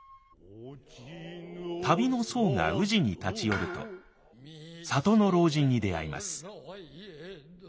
旅の僧が宇治に立ち寄ると里の老人に出会います。